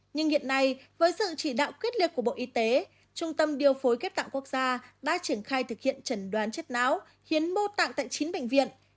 nhưng hiện nay với sự chỉ đạo quyết liệt của bộ y tế trung tâm điều phối ghép tạng quốc gia đã triển khai thực hiện trần đoán chết não hiến mô tạng tại chín bệnh viện